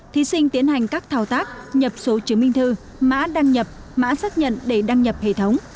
thí sinh tiến hành các thao tác nhập số chứng minh thư mã đăng nhập mã xác nhận để đăng nhập hệ thống